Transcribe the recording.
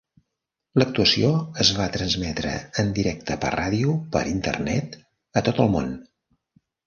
L'actuació es va transmetre en directe per ràdio per Internet a tot el món.